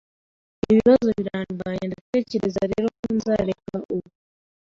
Ibibazo birandwanya, ndatekereza rero ko nzareka ubu